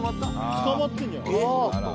捕まってんじゃんえっ？